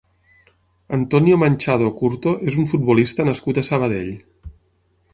Antonio Manchado Curto és un futbolista nascut a Sabadell.